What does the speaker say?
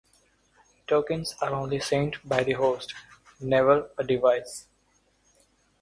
Tokens are only sent by the host, never a device.